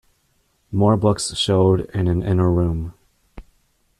More books showed in an inner room.